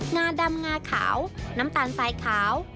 งาดำงาขาว